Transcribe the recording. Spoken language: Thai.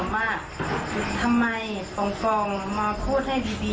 ไม่ใช่ความจริงมีแบบไปที่นี่